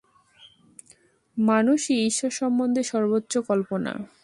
মানুষই ঈশ্বর সম্বন্ধে সর্বোচ্চ কল্পনা।